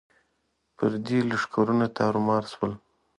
پردي لښکرونه تارو مار شول.